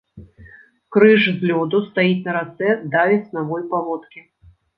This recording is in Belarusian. Крыж з лёду стаіць на рацэ да веснавой паводкі.